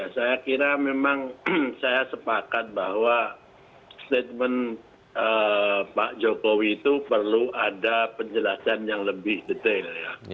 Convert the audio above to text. saya kira memang saya sepakat bahwa statement pak jokowi itu perlu ada penjelasan yang lebih detail